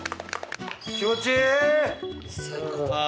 気持ちいい！